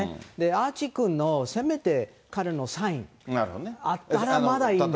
アーチー君のせめて彼のサインあったら、まだいいんですけど。